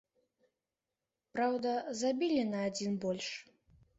Праўда, забілі на адзін больш.